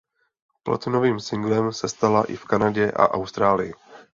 Platinovým singlem se stala i v Kanadě a Austrálii.